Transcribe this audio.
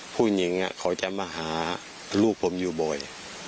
ผู้หญิงเขาจะมาหาลูกผมอยู่บ่อย